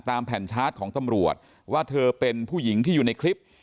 แผ่นชาร์จของตำรวจว่าเธอเป็นผู้หญิงที่อยู่ในคลิป